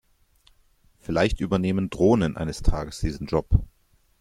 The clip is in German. Vielleicht übernehmen Drohnen eines Tages diesen Job.